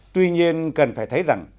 tuy nhiên cần phải thấy rằng